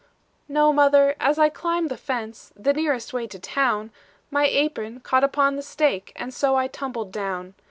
"No, mother, as I climbed the fence, The nearest way to town, My apron caught upon the stake, And so I tumbled down.